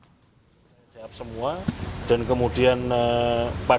dan kemudian pada intinya apa yang dituduhkan atau apa yang dijadikan dalil